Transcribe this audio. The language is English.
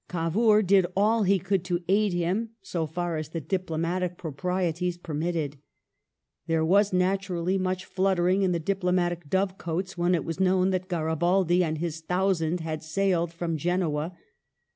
Cavour did all he could to aid him, so far as the diplomatic proprieties per mitted.2 There was naturally much fluttering in the diplomatic dovecotes when it was known that Garibaldi and his " Thousand " had sailed from Genoa.